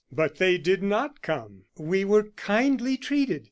But they did not come. "We were kindly treated.